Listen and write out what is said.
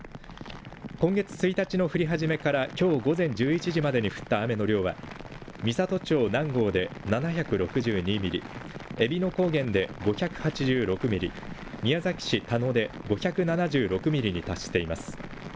今月１日の降り始めからきょう午前１１時までに降った雨の量は美郷町南郷で７６２ミリ、えびの高原で５８６ミリ、宮崎市田野で５７６ミリに達しています。